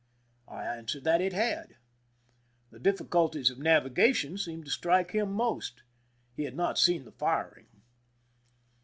I answered that it had. The difficulties of navigation seemed to strike him most. He had not seen the firing.